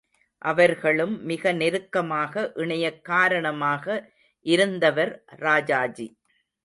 அவர்களும் மிக நெருக்கமாக இணையக் காரணமாக இருந்தவர் ராஜாஜி.